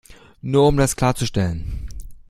Nur um das klarzustellen.